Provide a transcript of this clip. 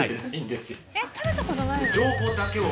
情報だけを。